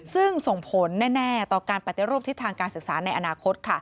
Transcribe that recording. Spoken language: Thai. ซึ่งส่งผลแน่ต่อการปฏิรูปทิศทางการศึกษาในอนาคต